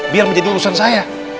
biar menjadi urusan saya